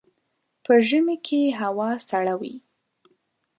په ژمي کي هوا سړه وي.